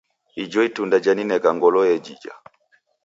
Ijo itunda janineka ngolo yejija.